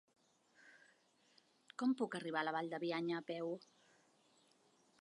Com puc arribar a la Vall de Bianya a peu?